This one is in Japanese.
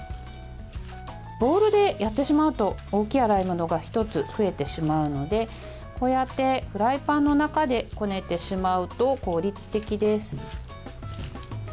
ボウルでやってしまうと大きい洗い物が１つ増えてしまうのでこうやってフライパンの中でこねてしまうと効率的です。